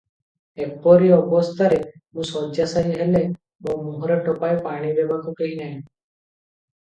ଏପରି ଅବସ୍ଥାରେ ମୁଁ ଶଯ୍ୟାଶାୟୀ ହେଲେ ମୋ ମୁହଁରେ ଟୋପାଏ ପାଣି ଦେବାକୁ କେହି ନାହି ।